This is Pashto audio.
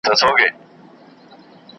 کشکي زما او ستا بهار لکه د ونو د شنېلیو .